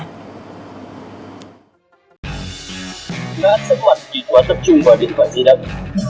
má sức mạnh kỳ quá tập trung vào điện thoại di động